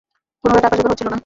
কোনোভাবে টাকার জোগাড় হচ্ছিল না।